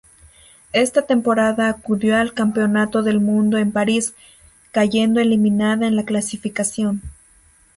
Esa temporada acudió al Campeonato del Mundo en París, cayendo eliminada en la calificación.